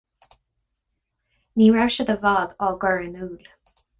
Ní raibh siad i bhfad á gcur in iúl.